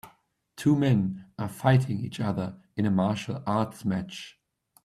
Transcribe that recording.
Two men are fighting each other in a martial arts match.